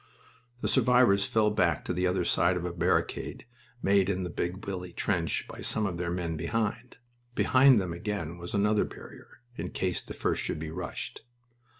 The survivors fell back to the other side of a barricade made in the Big Willie trench by some of their men behind. Behind them again was another barrier, in case the first should be rushed.